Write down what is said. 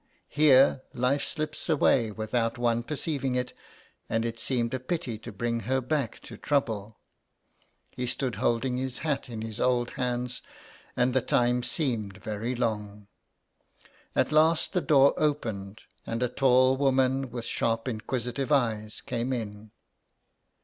Here life slips away without one perceiving it, and it seemed a pity to bring her back to trouble. He stood holding his hat in his old hands, and the time seemed very long. At last the door opened, and a tall woman with sharp, inquisitive eyes came in.